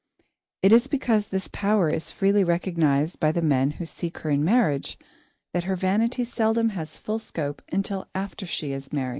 It is because this power is freely recognised by the men who seek her in marriage that her vanity seldom has full scope until after she is married.